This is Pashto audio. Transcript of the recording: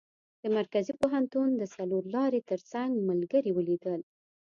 د مرکزي پوهنتون د څلور لارې تر څنګ ملګري ولیدل.